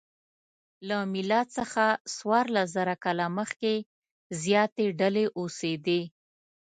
له میلاد څخه څوارلسزره کاله مخکې زیاتې ډلې اوسېدې.